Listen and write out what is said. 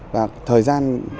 và thời gian